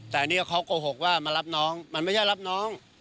แต่อันนี้เขาโกหกว่ามารับน้องมันไม่ใช่รับน้อง